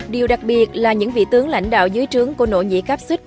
điều đặc biệt là những vị tướng lãnh đạo dưới trướng của nội nhị cáp xích